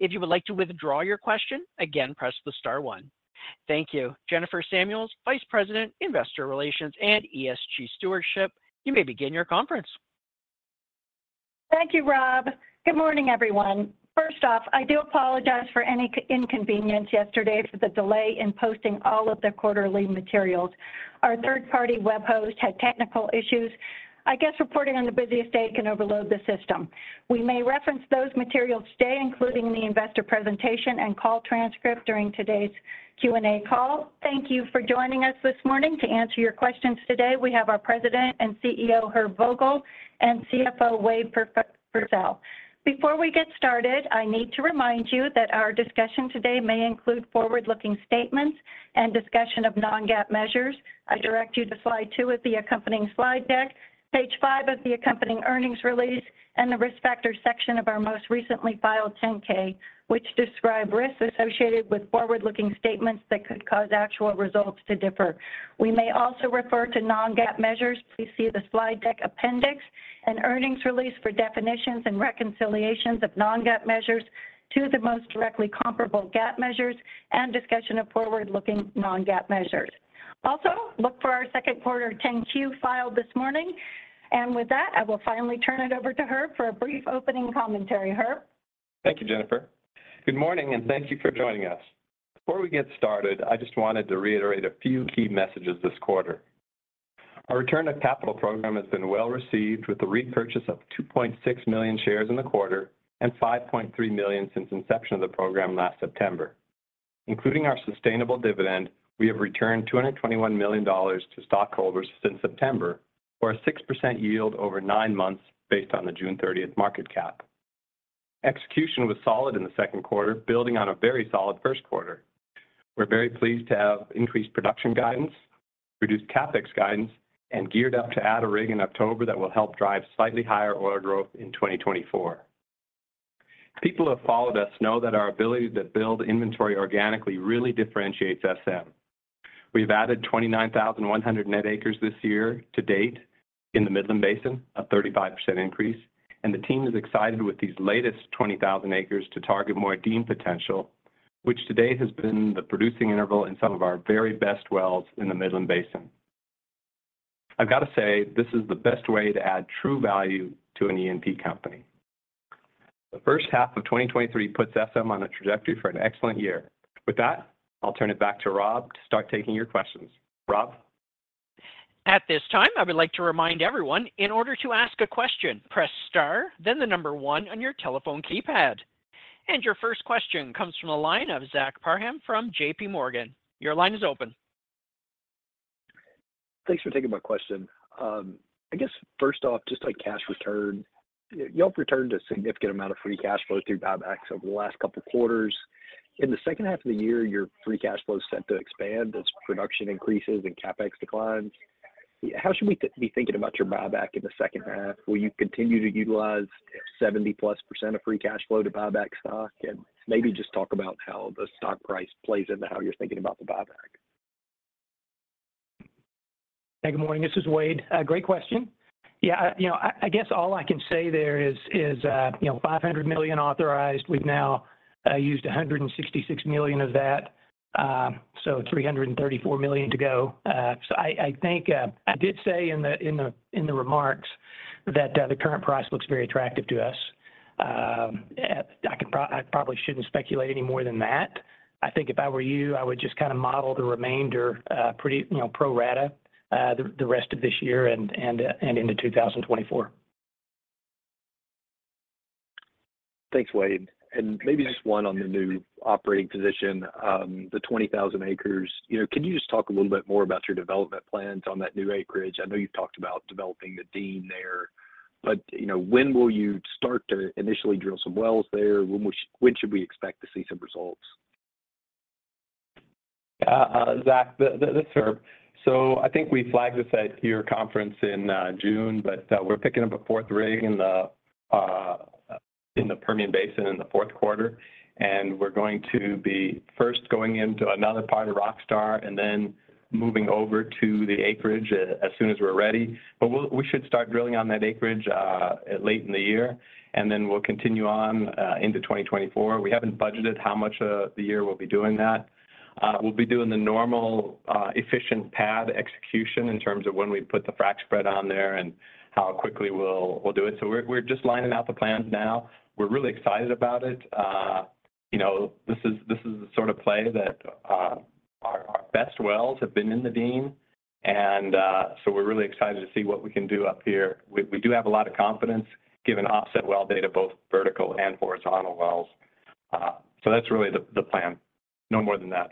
If you would like to withdraw your question, again, press the star one. Thank you. Jennifer Samuels, Vice President, Investor Relations and ESG Stewardship, you may begin your conference. Thank you, Rob. Good morning, everyone. First off, I do apologize for any inconvenience yesterday for the delay in posting all of the quarterly materials. Our third-party web host had technical issues. I guess reporting on the busiest day can overload the system. We may reference those materials today, including the investor presentation and call transcript, during today's Q&A call. Thank you for joining us this morning. To answer your questions today, we have our President and CEO, Herb Vogel, and CFO, Wade Purcell. Before we get started, I need to remind you that our discussion today may include forward-looking statements and discussion of non-GAAP measures. I direct you to Slide two of the accompanying slide deck, page 5 of the accompanying earnings release, and the Risk Factors section of our most recently filed Form 10-K, which describe risks associated with forward-looking statements that could cause actual results to differ. We may also refer to non-GAAP measures. Please see the slide deck appendix and earnings release for definitions and reconciliations of non-GAAP measures to the most directly comparable GAAP measures and discussion of forward-looking non-GAAP measures. Also, look for our second quarter Form 10-Q file this morning. With that, I will finally turn it over to Herb for a brief opening commentary. Herb? Thank you, Jennifer. Good morning, and thank you for joining us. Before we get started, I just wanted to reiterate a few key messages this quarter. Our return on capital program has been well-received, with the repurchase of $2.6 million shares in the quarter and $5.3 million since inception of the program last September. Including our sustainable dividend, we have returned $221 million to stockholders since September, for a 6% yield over nine months based on the June 30th market cap. Execution was solid in the second quarter, building on a very solid first quarter. We're very pleased to have increased production guidance, reduced CapEx guidance, and geared up to add a rig in October that will help drive slightly higher oil growth in 2024. People who have followed us know that our ability to build inventory organically really differentiates SM. We've added 29,100 net acres this year to date in the Midland Basin, a 35% increase, and the team is excited with these latest 20,000 acres to target more Dean potential, which today has been the producing interval in some of our very best wells in the Midland Basin. I've got to say, this is the best way to add true value to an E&P company. The first half of 2023 puts SM on a trajectory for an excellent year. With that, I'll turn it back to Rob to start taking your questions. Rob? At this time, I would like to remind everyone, in order to ask a question, press star, then one on your telephone keypad. Your first question comes from the line of Zach Parham from JPMorgan. Your line is open. Thanks for taking my question. I guess first off, just like cash return, you all returned a significant amount of free cash flow through buybacks over the last couple of quarters. In the second half of the year, your free cash flow is set to expand as production increases and CapEx declines. How should we be thinking about your buyback in the second half? Will you continue to utilize 70%+ of free cash flow to buy back stock? Maybe just talk about how the stock price plays into how you're thinking about the buyback? Hey, good morning, this is Wade. A great question. Yeah, you know, I guess all I can say there is, you know, $500 million authorized. We've now used $166 million of that, $334 million to go. I think, I did say in the remarks that the current price looks very attractive to us. I probably shouldn't speculate any more than that. I think if I were you, I would just kind of model the remainder, pretty, you know, pro rata, the rest of this year and into 2024. Thanks, Wade. Maybe just one on the new operating position, the 20,000 acres. You know, can you just talk a little bit more about your development plans on that new acreage? I know you've talked about developing the Dean there, but, you know, when will you start to initially drill some wells there? When should we expect to see some results? Zach, this is Herb. I think we flagged this at your conference in June, but we're picking up a fourth rig in the Permian Basin in the fourth quarter, and we're going to be first going into another part of Rockstar and then moving over to the acreage as soon as we're ready. We, we should start drilling on that acreage late in the year, and then we'll continue on into 2024. We haven't budgeted how much of the year we'll be doing that. We'll be doing the normal efficient pad execution in terms of when we put the frac spread on there and how quickly we'll, we'll do it. We're, we're just lining out the plans now. We're really excited about it. You know, this is, this is the sort of play that, our, our best wells have been in the Dean, and, so we're really excited to see what we can do up here. We, we do have a lot of confidence, given offset well data, both vertical and horizontal wells. That's really the, the plan. No more than that.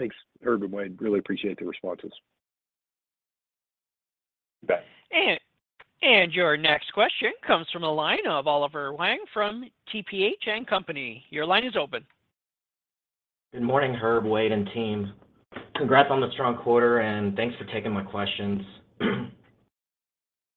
Thanks, Herb and Wade. Really appreciate the responses. You bet. Your next question comes from the line of Oliver Wang from TPH and Company. Your line is open. Good morning, Herb, Wade, and team. Congrats on the strong quarter, and thanks for taking my questions.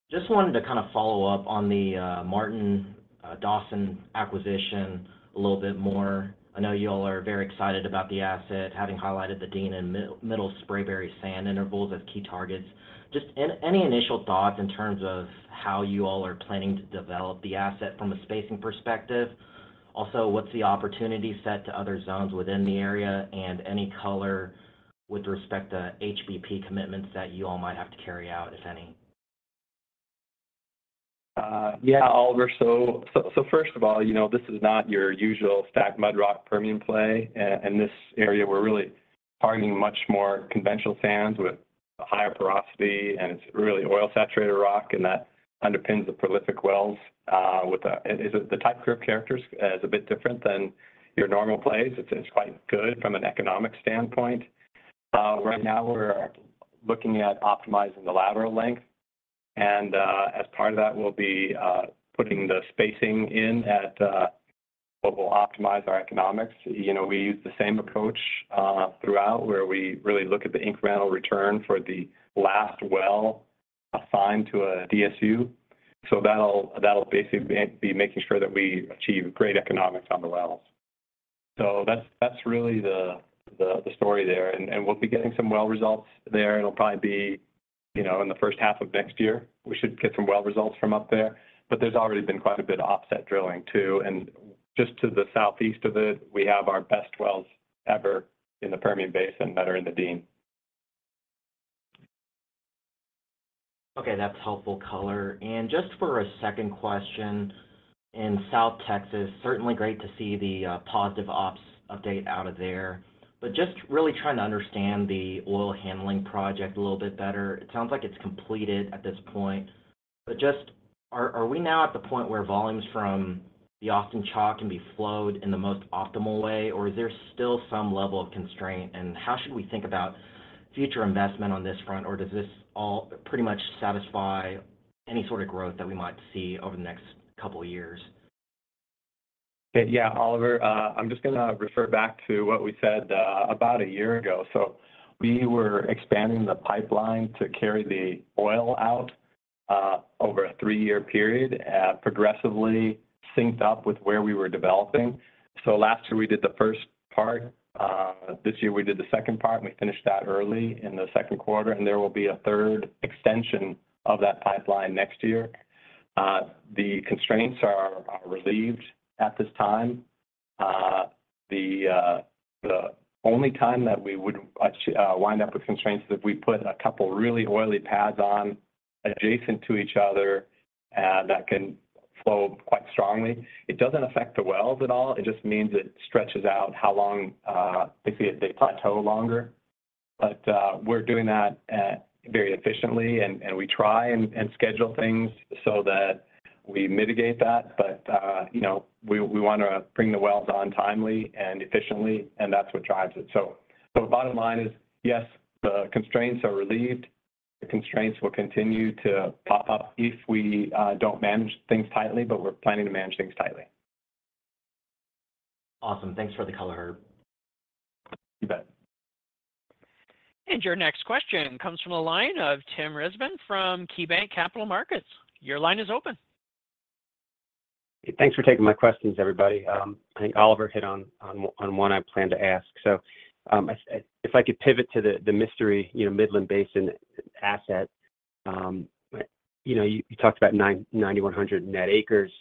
Just wanted to kind of follow up on the Martin Dawson acquisition a little bit more. I know you all are very excited about the asset, having highlighted the Dean and Middle Spraberry sand intervals as key targets. Just any, any initial thoughts in terms of how you all are planning to develop the asset from a spacing perspective? Also, what's the opportunity set to other zones within the area, and any color with respect to HBP commitments that you all might have to carry out, if any? Yeah, Oliver. First of all, you know, this is not your usual stacked mudrock Permian play. In this area, we're really targeting much more conventional sands with higher porosity, and it's really oil-saturated rock, and that underpins the prolific wells. With the. The type curve characters is a bit different than your normal plays. It's, it's quite good from an economic standpoint. Right now we're looking at optimizing the lateral length, and, as part of that, we'll be, putting the spacing in at, what will optimize our economics. You know, we use the same approach, throughout, where we really look at the incremental return for the last well assigned to a DSU. That'll, that'll basically be, be making sure that we achieve great economics on the wells. That's, that's really the, the, the story there. We'll be getting some well results there. It'll probably be, you know, in the first half of next year, we should get some well results from up there, but there's already been quite a bit of offset drilling too. Just to the southeast of it, we have our best wells ever in the Permian Basin that are in the Dean. Okay, that's helpful color. Just for a second question, in South Texas, certainly great to see the positive ops update out of there. Just really trying to understand the oil handling project a little bit better. It sounds like it's completed at this point, but just are, are we now at the point where volumes from the Austin Chalk can be flowed in the most optimal way, or is there still some level of constraint? How should we think about future investment on this front? Does this all pretty much satisfy any sort of growth that we might see over the next couple of years? Yeah, Oliver, I'm just gonna refer back to what we said, about a year ago. We were expanding the pipeline to carry the oil out, over a three-year period, progressively synced up with where we were developing. Last year, we did the first part. This year, we did the second part, and we finished that early in the second quarter, and there will be a second extension of that pipeline next year. The constraints are, are relieved at this time. The, the only time that we would actually, wind up with constraints is if we put a couple of really oily pads on adjacent to each other, that can flow quite strongly. It doesn't affect the wells at all. It just means it stretches out how long, they see a plateau longer. We're doing that very efficiently, we try and schedule things so that we mitigate that. You know, we, we wanna bring the wells on timely and efficiently, and that's what drives it. Bottom line is, yes, the constraints are relieved. The constraints will continue to pop up if we don't manage things tightly, but we're planning to manage things tightly. Awesome. Thanks for the color, Herb. You bet. Your next question comes from the line of Tim Rezvan from KeyBanc Capital Markets. Your line is open. Thanks for taking my questions, everybody. I think Oliver hit on, on, on one I planned to ask. So, if I could pivot to the, the mystery, you know, Midland Basin asset. You know, you talked about 9,100 net acres.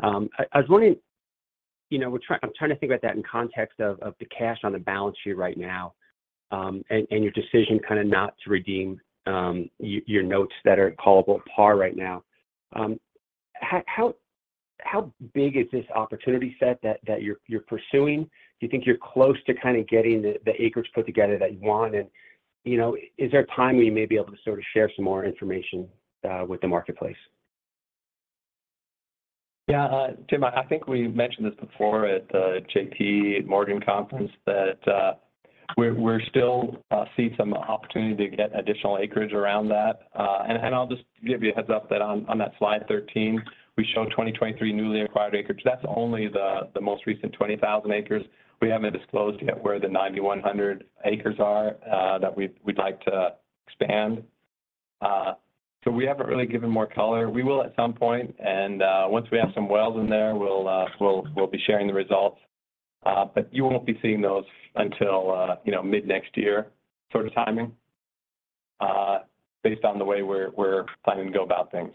I, I was wondering, you know, I'm trying to think about that in context of, of the cash on the balance sheet right now, and, and your decision kind of not to redeem, your, your notes that are callable at par right now. How, how, how big is this opportunity set that, that you're, you're pursuing? Do you think you're close to kind of getting the, the acres put together that you want? And, you know, is there a time when you may be able to sort of share some more information with the marketplace? Yeah, Tim, I think we mentioned this before at the JPMorgan conference, that, we're, we're still, see some opportunity to get additional acreage around that. I'll just give you a heads up that on, on that Slide 13, we show 2023 newly acquired acres. That's only the, the most recent 20,000 acres. We haven't disclosed yet where the 9,100 acres are, that we'd, we'd like to expand. We haven't really given more color. We will at some point, and, once we have some wells in there, we'll, we'll, we'll be sharing the results. You won't be seeing those until, you know, mid-next year sort of timing, based on the way we're, we're planning to go about things.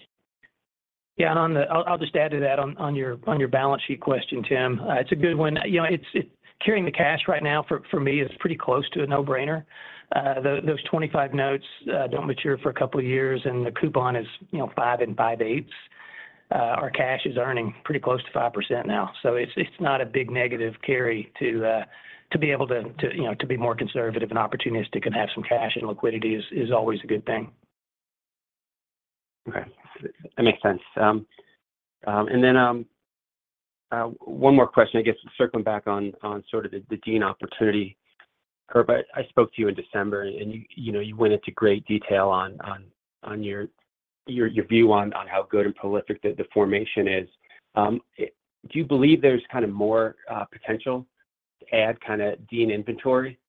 Yeah, I'll just add to that on your balance sheet question, Tim. It's a good one. You know, it's carrying the cash right now for me, is pretty close to a no-brainer. Those 2025 notes don't mature for two years, and the coupon is, you know, five and five-eighths. Our cash is earning pretty close to 5% now, so it's not a big negative carry to be able to, you know, to be more conservative and opportunistic and have some cash and liquidity is always a good thing. Okay. That makes sense. One more question, I guess, circling back on, on sort of the Dean opportunity. Herb, I, I spoke to you in December, and you, you know, you went into great detail on, on, on your, your, your view on, on how good and prolific the, the formation is. Do you believe there's kind of more potential? add kind of Dean inventory,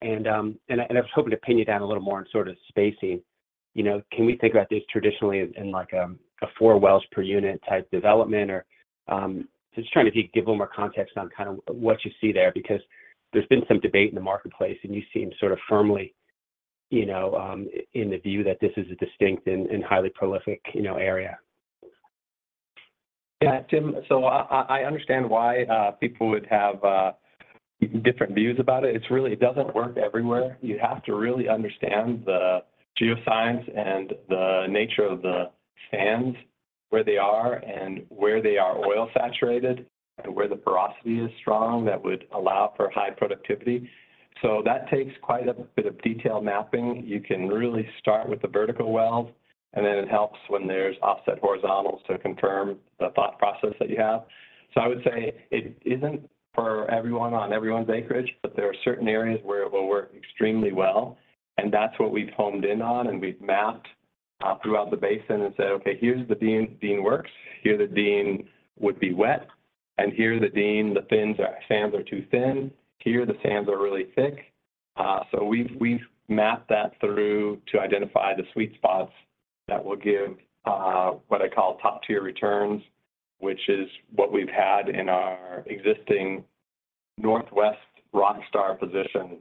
and I, and I was hoping to pin you down a little more on sort of spacing. You know, can we think about this traditionally in, like, a four wells per unit type development? Just trying to give a little more context on kind of what you see there, because there's been some debate in the marketplace, and you seem sort of firmly, you know, in the view that this is a distinct and, and highly prolific, you know, area. Tim, I understand why people would have different views about it. It's really it doesn't work everywhere. You have to really understand the geoscience and the nature of the sands, where they are, and where they are oil saturated, and where the porosity is strong that would allow for high productivity. That takes quite a bit of detailed mapping. You can really start with the vertical wells, and then it helps when there's offset horizontals to confirm the thought process that you have. I would say it isn't for everyone on everyone's acreage, but there are certain areas where it will work extremely well, and that's what we've honed in on, and we've mapped throughout the basin and said, "Okay, here's the Dean. Dean works. Here, the Dean would be wet, and here, the Dean, the sands are too thin. Here, the sands are really thick. We've, we've mapped that through to identify the sweet spots that will give, what I call top-tier returns, which is what we've had in our existing Northwest Rockstar position,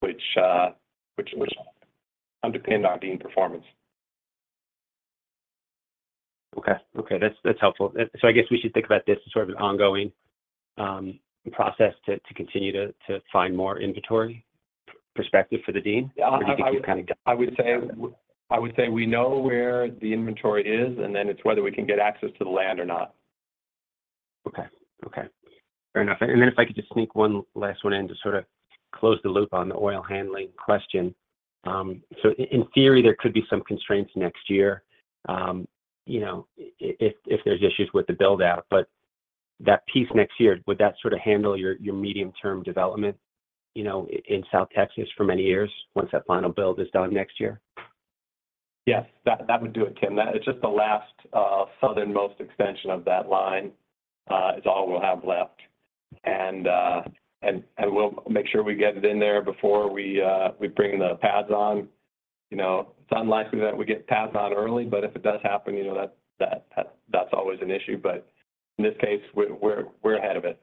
which underpinned our Dean performance. Okay. Okay, that's, that's helpful. I guess we should think about this as sort of an ongoing process to, to continue to, to find more inventory perspective for the Dean? Yeah. Or do you think you've kind of got- I would say, I would say we know where the inventory is, and then it's whether we can get access to the land or not. Okay. Okay, fair enough. Then if I could just sneak one last one in to sort of close the loop on the oil handling question. So in theory, there could be some constraints next year, you know, if there's issues with the build-out, but that piece next year, would that sort of handle your, your medium-term development, you know, in South Texas for many years once that final build is done next year? Yes. That, that would do it, Tim. It's just the last, southernmost extension of that line, is all we'll have left. We'll make sure we get it in there before we bring the pads on. You know, it's unlikely that we get pads on early, but if it does happen, you know, that, that, that's always an issue. In this case, we're, we're, we're ahead of it.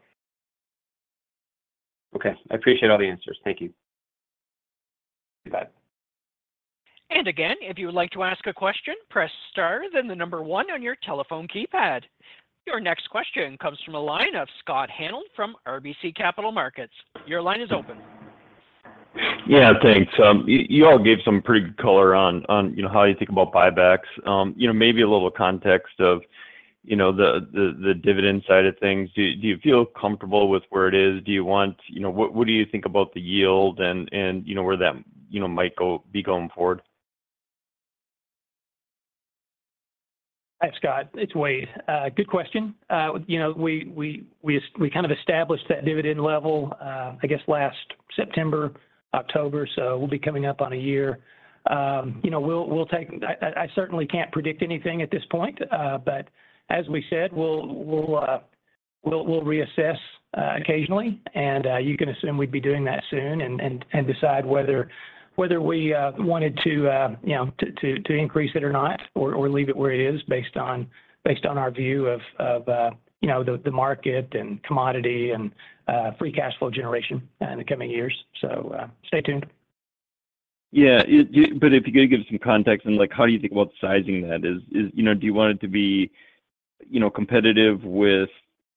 Okay. I appreciate all the answers. Thank you. You bet. Again, if you would like to ask a question, press star, then the number one on your telephone keypad. Your next question comes from the line of Scott Hanold from RBC Capital Markets. Your line is open. Yeah, thanks. You all gave some pretty good color on, on, you know, how you think about buybacks. You know, maybe a little context of, you know, the, the, the dividend side of things. Do you feel comfortable with where it is? Do you want? You know, what, what do you think about the yield and, and you know where that, you know, might go, be going forward? Hi, Scott. It's Wade. good question. you know, we kind of established that dividend level, I guess, last September, October, so we'll be coming up on a year. you know, I certainly can't predict anything at this point, but as we said, we'll reassess occasionally, and you can assume we'd be doing that soon and decide whether we wanted to, you know, to increase it or not, or leave it where it is based on our view of, you know, the market and commodity and free cash flow generation in the coming years. Stay tuned. If you could give some context on, like, how do you think about sizing that? Is, you know, do you want it to be, you know, competitive with,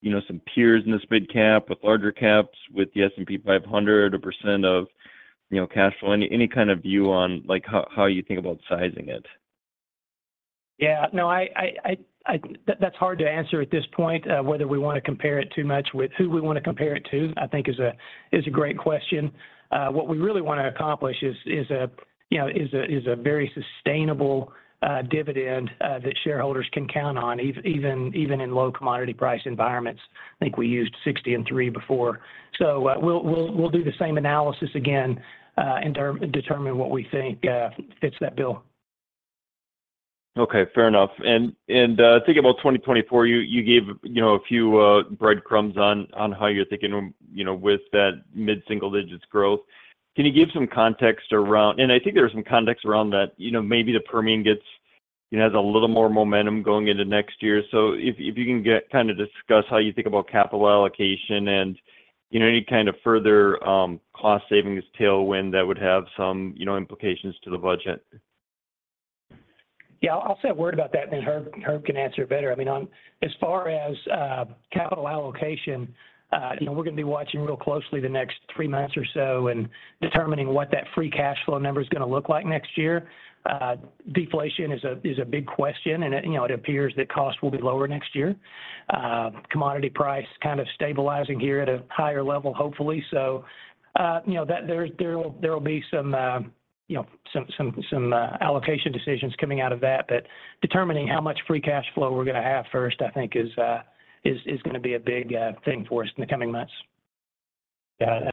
you know, some peers in this mid-cap, with larger caps, with the S&P 500, a % of, you know, cash flow? Any kind of view on, like, how you think about sizing it? Yeah. No, that's hard to answer at this point, whether we wanna compare it too much with. Who we wanna compare it to, I think is a great question. What we really wanna accomplish is, you know, a very sustainable dividend that shareholders can count on, even, even, even in low commodity price environments. I think we used sixty and three before. So, we'll, we'll, we'll do the same analysis again and determine what we think fits that bill. Okay, fair enough. Thinking about 2024, you, you gave, you know, a few breadcrumbs on, on how you're thinking, you know, with that mid-single-digits growth. Can you give some context around? I think there's some context around that, you know, maybe the Permian gets, you know, has a little more momentum going into next year. If, if you can get, kind of discuss how you think about capital allocation and, you know, any kind of further cost savings tailwind that would have some, you know, implications to the budget. Yeah. I'll say a word about that, and then Herb, Herb can answer it better. I mean, on... As far as capital allocation, you know, we're gonna be watching real closely the next three months or so and determining what that free cash flow number is gonna look like next year. Deflation is a, is a big question, and it, you know, it appears that costs will be lower next year. Commodity price kind of stabilizing here at a higher level, hopefully. You know, that there, there will, there will be some, you know, some, some, some, allocation decisions coming out of that. Determining how much free cash flow we're gonna have first, I think, is, is gonna be a big, thing for us in the coming months. Yeah.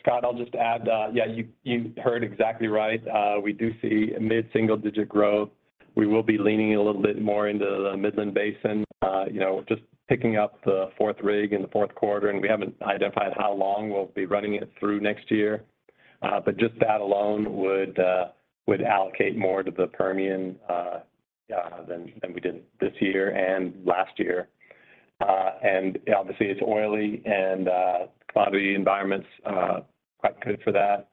Scott, I'll just add, yeah, you, you heard exactly right. We do see a mid-single-digit growth. We will be leaning a little bit more into the Midland Basin, you know, just picking up the fourth rig in the fourth quarter, and we haven't identified how long we'll be running it through next year. Just that alone would allocate more to the Permian than we did this year and last year. Obviously, it's oily and commodity environment's quite good for that.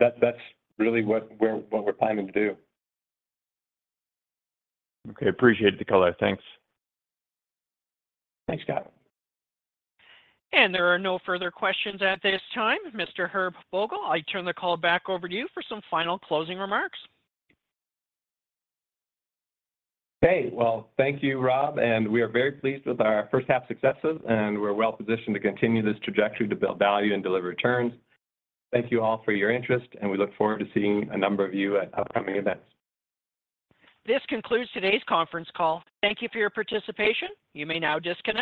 That's, that's really what we're, what we're planning to do. Okay. Appreciate the color. Thanks. Thanks, Scott. There are no further questions at this time. Mr. Herb Vogel, I turn the call back over to you for some final closing remarks. Okay. Well, thank you, Rob, and we are very pleased with our first half successes, and we're well positioned to continue this trajectory to build value and deliver returns. Thank you all for your interest, and we look forward to seeing a number of you at upcoming events. This concludes today's conference call. Thank you for your participation. You may now disconnect.